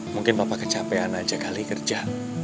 mungkin bapak kecapean aja kali kerja